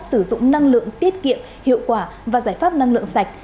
sử dụng năng lượng tiết kiệm hiệu quả và giải pháp năng lượng sạch